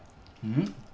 うん？